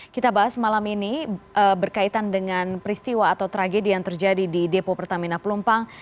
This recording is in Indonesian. kita bahas malam ini berkaitan dengan peristiwa atau tragedi yang terjadi di depo pertamina pelumpang